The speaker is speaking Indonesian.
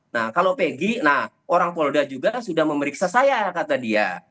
nah kalau pegi nah orang polda juga sudah memeriksa saya kata dia